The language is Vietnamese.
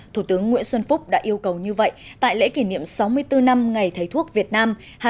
thủ tướng nguyễn xuân phúc đã yêu cầu như vậy tại lễ kỷ niệm sáu mươi bốn năm ngày thay thuốc việt nam